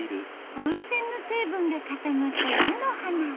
温泉の成分が固まった湯の花。